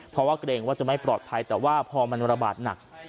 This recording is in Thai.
เพราะว่าเกรงว่าจะไม่ปลอดภัยแต่ว่าพอมันระบาดหนัก